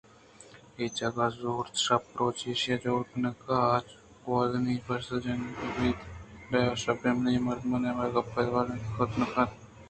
اے جاگہ زُرت ءُشپ روچ ایشیءِ جوڑ کنگ ءَ گوٛازینتءُپشت ءَ چکّ نہ جت بلئے ہرشپ منی ءُمرد ءِ نیام ءَاے گپ ءِ اڑ نہ کُٹ اِت کہ کلام ءُکلام